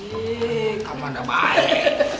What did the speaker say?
ihh kamu udah balik